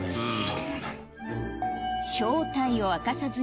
そうなの？